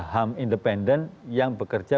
ham independen yang bekerja